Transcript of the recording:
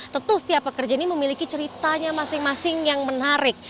tentu setiap pekerja ini memiliki ceritanya masing masing yang menarik